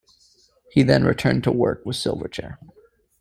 He then returned to work with Silverchair.